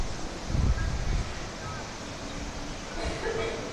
Novou radnici na Dominikánském náměstí si město nechá pro reprezentační účely a svatby.